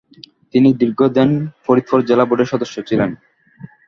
তিনি দীর্ঘ দেন ফরিদপুর জেলা বোর্ডের সদস্য ছিলেন।